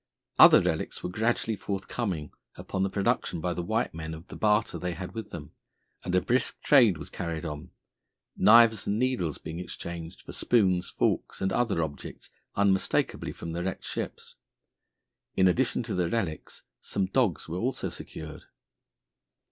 Other relics were gradually forthcoming, upon the production by the white men of the barter they had with them, and a brisk trade was carried on, knives and needles being exchanged for spoons, forks, and other objects unmistakably from the wrecked ships. In addition to the relics, some dogs were also secured.